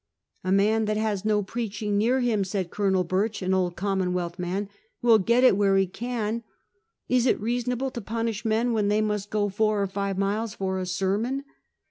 A man that has no preaching near him, 1 1670. The Lords' Provisos. 175 said Colonel Birch, an old Commonwealth man, 4 will get it where he can. Is it reasonable to punish men when they must go four or five miles for a sermon